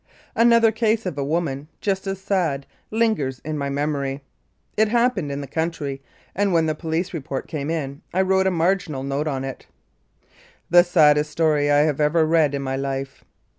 Another case of a woman, just as sad, lingers in my memory. It happened in the country, and when the police report came in I wrote a marginal note on it : "The saddest story I have ever read in my life."